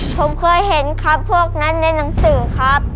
ผมเคยเห็นครับพวกนั้นในหนังสือครับ